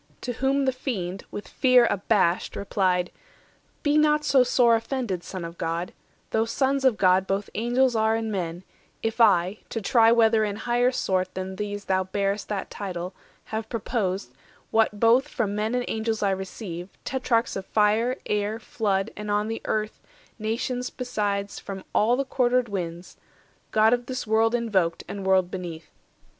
To whom the Fiend, with fear abashed, replied:— "Be not so sore offended, Son of God— Though Sons of God both Angels are and Men— If I, to try whether in higher sort Than these thou bear'st that title, have proposed What both from Men and Angels I receive, 200 Tetrarchs of Fire, Air, Flood, and on the Earth Nations besides from all the quartered winds— God of this World invoked, and World beneath.